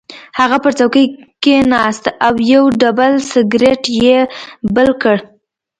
هغه پر څوکۍ کېناست او یو ډبل سګرټ یې بل کړ